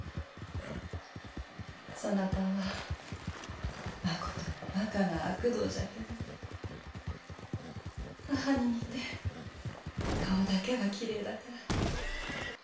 そなたはまことにバカな悪童じゃけど母に似て顔だけはきれいだから。